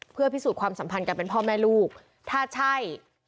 เพื่อพิสูจน์ความสัมพันธ์กันเป็นพ่อแม่ลูกถ้าใช่